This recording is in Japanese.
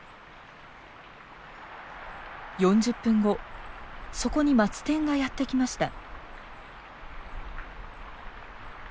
４０分後そこにマツテンがやって来ました。